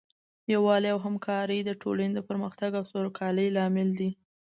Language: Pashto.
یووالی او همکاري د ټولنې د پرمختګ او سوکالۍ لامل دی.